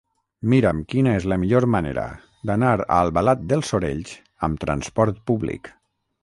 Mira'm quina és la millor manera d'anar a Albalat dels Sorells amb transport públic.